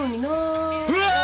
うわー！